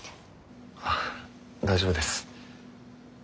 ああ大丈夫です。